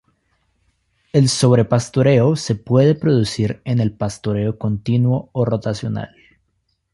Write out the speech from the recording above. El sobrepastoreo se puede producir en el pastoreo continuo o rotacional.